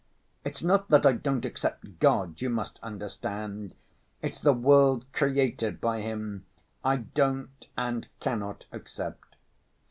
It's not that I don't accept God, you must understand, it's the world created by Him I don't and cannot accept.